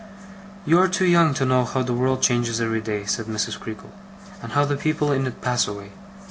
'You are too young to know how the world changes every day,' said Mrs. Creakle, 'and how the people in it pass away.